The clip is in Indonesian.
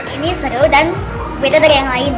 ini seru dan sepeda dari yang lain